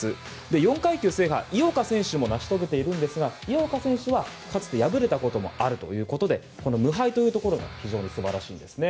４階級制覇、井岡選手も成し遂げているんですが井岡選手は、かつて敗れたこともあるということで無敗というところが非常に素晴らしいんですね。